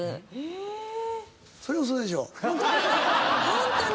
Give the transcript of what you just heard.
ホントに！